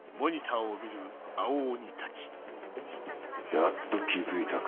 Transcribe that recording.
やっと気付いたか。